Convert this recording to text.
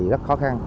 rất khó khăn